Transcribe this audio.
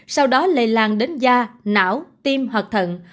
sau đó lây lan đến da não tim hoặc thận